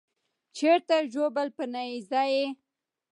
چیرته ژوبل په نېزه یې